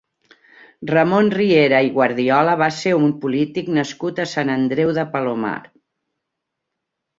Ramon Riera i Guardiola va ser un polític nascut a Sant Andreu de Palomar.